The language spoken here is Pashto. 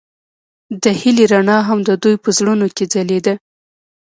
د هیلې رڼا هم د دوی په زړونو کې ځلېده.